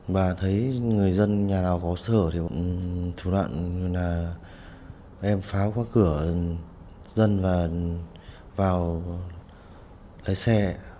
và thấy người dân nhà nào có sở thì bọn em phá qua cửa dân và vào lấy xe